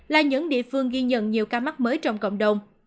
là những địa phương ghi nhận nhiều ca mắc mới trong cộng đồng